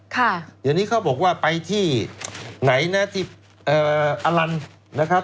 คนนี้เขาบอกว่าไปที่ไหนนะที่อลัลท์นะครับ